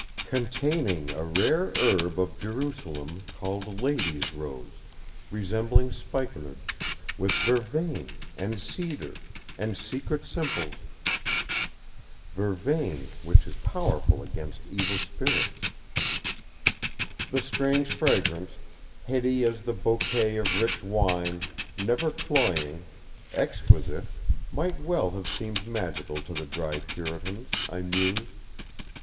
"_Containing a rare herb of Jerusalem called Lady's Rose, resembling spikenard, with vervain, and cedar, and secret simples _" "_Vervain, which is powerful against evil spirits _" The strange fragrance, heady as the bouquet of rich wine, never cloying, exquisite, might well have seemed magical to the dry Puritans, I mused.